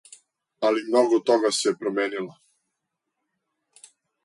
Али много тога се промијенило.